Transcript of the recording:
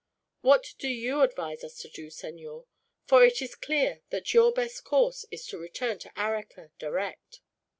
What do you advise us to do, senor? For it is clear that your best course is to return to Arica, direct."